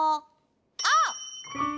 あっ！